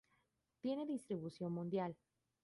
Tiene distribución mundial.